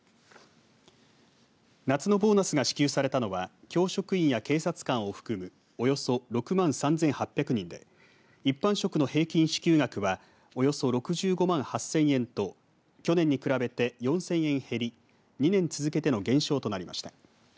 夏のボーナスが支給されたのは教職員や警察官を含むおよそ６万３８００人で一般職の平均支給額はおよそ６５万８０００円と去年に比べて４０００円減り２年続けての減少となりました。